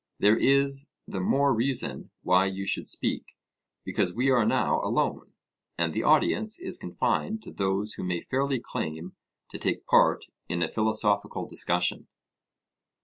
There is the more reason why you should speak, because we are now alone, and the audience is confined to those who may fairly claim to take part in a philosophical discussion.